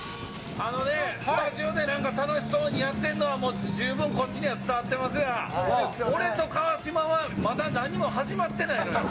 あのね、スタジオでなんか楽しそうにやってんの、十分、こっちには伝わってますが、俺と川島は、まだ何も始まってないの。